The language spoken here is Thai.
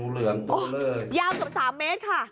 โอ้โหยาวเกือบ๓เมตรค่ะ